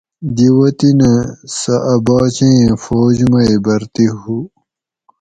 دی وطینہ سہ ا باچیں فوج مئی بھرتی ہُو